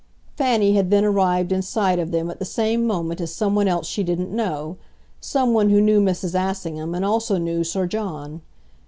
Fanny had then arrived in sight of them at the same moment as someone else she didn't know, someone who knew Mrs. Assingham and also knew Sir John.